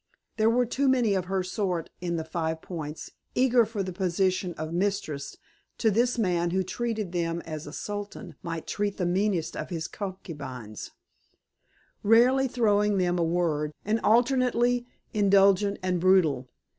There were too many of her sort in the Five Points eager for the position of mistress to this man who treated them as a sultan might treat the meanest of his concubines, rarely throwing them a word, and alternately indulgent and brutal.